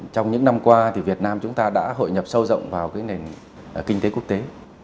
trong những năm qua thì việt nam chúng ta đã hội nhập sâu rộng vào nền kinh tế quốc tế